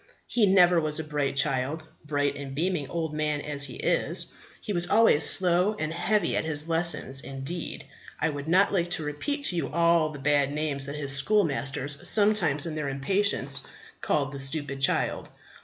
He never was a bright child, bright and beaming old man as he is. He was always slow and heavy at his lessons; indeed, I would not like to repeat to you all the bad names that his schoolmasters sometimes in their impatience called the stupid child.